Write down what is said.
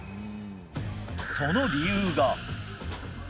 その理由が。